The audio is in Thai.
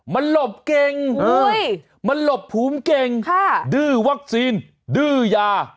มันหลบเก่งมันหลบภูมิเก่งดื้อวัคซีนดื้อยา